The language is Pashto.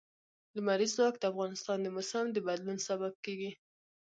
لمریز ځواک د افغانستان د موسم د بدلون سبب کېږي.